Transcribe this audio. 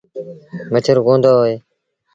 مڇر ڪوند هوئيݩ۔